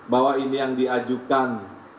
bahwa ini yang diajukan